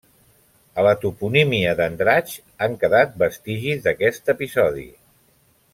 A la toponímia d'Andratx han quedat vestigis d'aquest episodi.